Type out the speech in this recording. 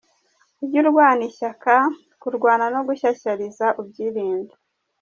Ujye urwana ishyaka, kuryana no gushyashyariza ubyirinde.